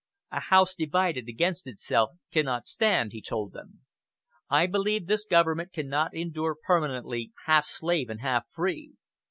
"A house divided against itself cannot stand," he told them. "I believe this government cannot endure permanently half slave and half free.